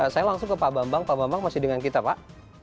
saya langsung ke pak bambang pak bambang masih dengan kita pak